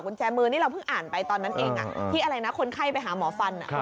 คุณแจมือนี่เราเพิ่งอ่านไปตอนนั้นเองที่อะไรนะคนไข้ไปหาหมอฟัน